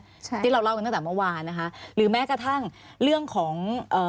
ใช่ที่เราเล่ากันตั้งแต่เมื่อวานนะคะหรือแม้กระทั่งเรื่องของเอ่อ